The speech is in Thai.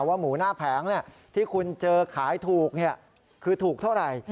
ว่าหมูหน้าแผงที่คุณเจอขายถูกคือถูกเท่าไหร่